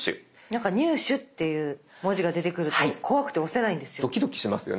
なんか入手っていう文字が出てくると怖くて押せないんですよ。